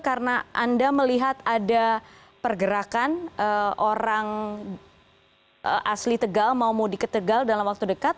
karena anda melihat ada pergerakan orang asli tegal mau mau di ketegal dalam waktu dekat